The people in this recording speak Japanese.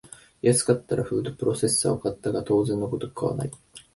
安かったからフードプロセッサーを買ったが当然のごとく使わない